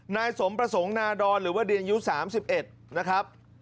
นายสมประสงค์นาดรหรือว่าดินยุทธ์๓๑นะครับ